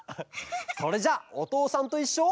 それじゃあ「おとうさんといっしょ」。